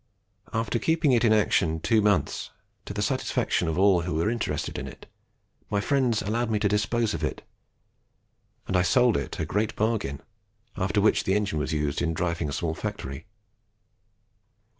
After keeping it in action two months, to the satisfaction of all who were interested in it, my friends allowed me to dispose of it, and I sold it a great bargain, after which the engine was used in driving a small factory.